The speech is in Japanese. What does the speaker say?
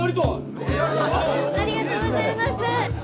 ありがとうございます。